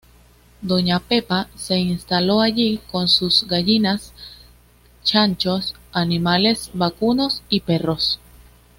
Doña Pepa se instaló allí con sus gallinas, chanchos, animales vacunos y perros.